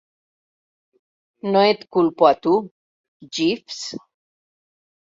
No et culpo a tu, Jeeves.